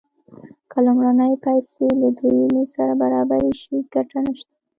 که لومړنۍ پیسې له دویمې سره برابرې شي ګټه نشته